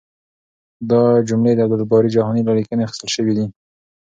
دا جملې د عبدالباري جهاني له لیکنې اخیستل شوې دي.